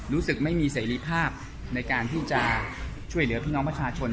รู้สึกไม่มีเสรีภาพในการที่จะช่วยเหลือพี่น้องประชาชน